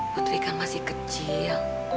putri kan masih kecil